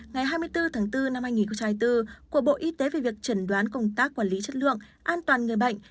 ngày hai mươi bốn bốn hai nghìn hai mươi bốn của bộ y tế về việc chẩn đoán công tác quản lý chất lượng an toàn người bệnh